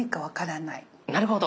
なるほど。